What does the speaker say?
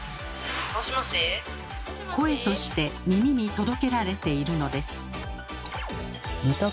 声として耳に届けられているのです。